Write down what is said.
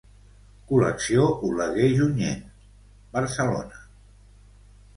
Col·lecció Oleguer Junyent, Barcelona.